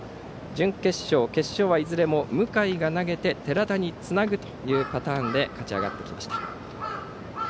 準決勝、決勝はいずれも向井が投げて寺田につなぐというパターンで勝ち上がってきました。